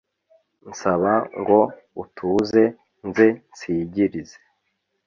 Nsaba ngo utuze nze nsigirize